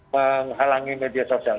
menghalangi media sosial